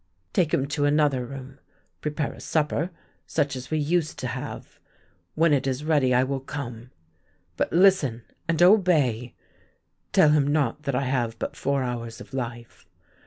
" Take him to another room. Prepare a supper such as we used to have. When it is ready I will come. But, listen, and obey. Tell him not that I have but four hours of life.